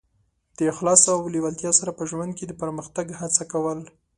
د اخلاص او لېوالتیا سره په ژوند کې د پرمختګ هڅه کول.